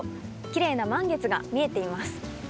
きれいな満月が見えています。